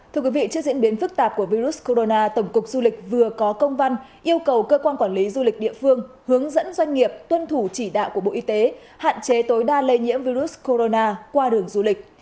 thưa quý vị trước diễn biến phức tạp của virus corona tổng cục du lịch vừa có công văn yêu cầu cơ quan quản lý du lịch địa phương hướng dẫn doanh nghiệp tuân thủ chỉ đạo của bộ y tế hạn chế tối đa lây nhiễm virus corona qua đường du lịch